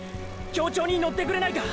協調にのってくれないか！！